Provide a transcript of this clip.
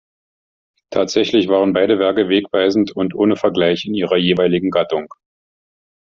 Tatsächlich waren beide Werke wegweisend und ohne Vergleich in ihrer jeweiligen Gattung.